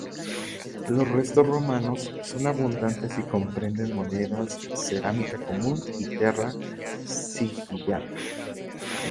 Los restos romanos son abundantes y comprenden monedas, cerámica común y terra sigillata.